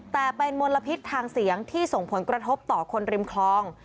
แต่เป็นมลพิษทางเสียงที่ส่งผลกระทบต่อคนริมคลอง